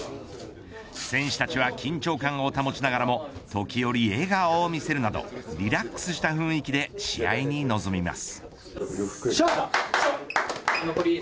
選手たちは緊張感を保ちながらも時折笑顔を見せるなどリラックスした雰囲気で試合に臨みます。